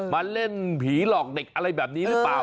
มาเล่นผีหลอกเด็กอะไรแบบนี้หรือเปล่า